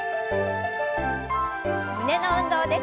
胸の運動です。